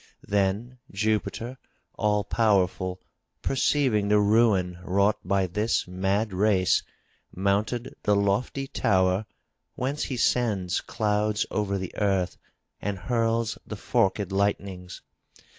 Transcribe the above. Then Jupiter, all powerful, preceiving the ruin wrought by this mad race, mounted the lofty tower whence he sends clouds over the earth and hurls the forked lightnings.